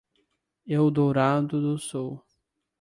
Eldorado do Sul